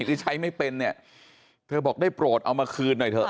ที่ใช้ไม่เป็นเนี่ยเธอบอกได้โปรดเอามาคืนหน่อยเถอะ